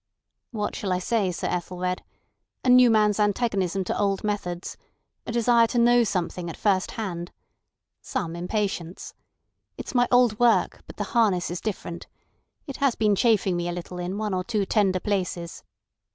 "What shall I say, Sir Ethelred? A new man's antagonism to old methods. A desire to know something at first hand. Some impatience. It's my old work, but the harness is different. It has been chafing me a little in one or two tender places."